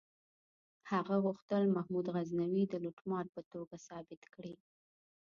هغه غوښتل محمود غزنوي د لوټمار په توګه ثابت کړي.